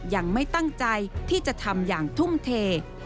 ยังไม่ตั้งใจที่จะทำอย่างทุ่มเท